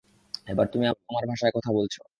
এবার তুমি আমার ভাষায় কথা বলছ।